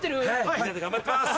みんなで頑張ってます。